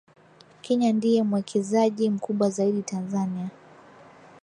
Kenya ndiye mwekezaji mkubwa zaidi Tanzania